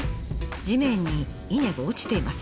地面に稲が落ちています。